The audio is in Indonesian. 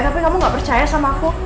tapi kamu gak percaya sama aku